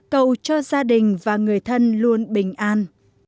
cầu cho gia đình và người thân luôn bình an